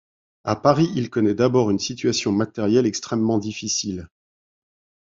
À Paris, il connaît d’abord une situation matérielle extrêmement difficile.